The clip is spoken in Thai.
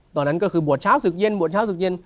ตอนนั้นก็คือบวชเช้าศึกเย็นบวชเช้าศึกเย็น